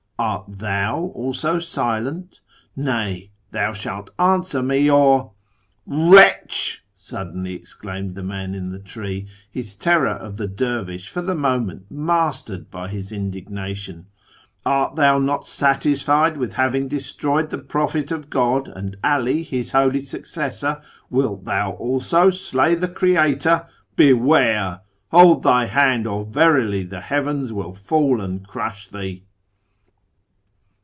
Art Thou also silent ?... Nay, Thou shalt answer me or '"' Wretch !' suddenly exclaimed the man in the tree, his terror of the dervish for the moment mastered by his indigna tion, ' Art thou not satisfied with having destroyed the Prophet of God, and 'Ali, his holy successor ? Wilt thou also slay the Creator ? Beware ! Hold thy hand, or verily the heavens will fall and crush thee